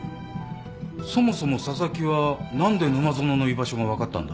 そもそも紗崎は何で沼園の居場所が分かったんだ？